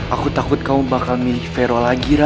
aku takut kamu bakal milih fero lagi rara